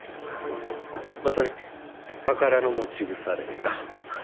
まさに宝の持ち腐れか。